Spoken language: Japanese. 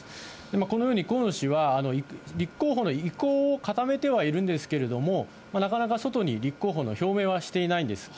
このように、河野氏は、立候補の意向を固めてはいるんですけれども、なかなか外に立候補の表明はしていないんです。